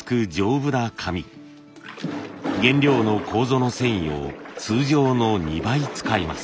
原料の楮の繊維を通常の２倍使います。